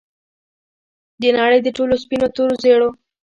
د نړۍ د ټولو سپینو، تورو، زیړو